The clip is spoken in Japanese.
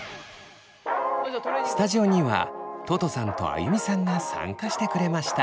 スタジオにはととさんとあゆみさんが参加してくれました。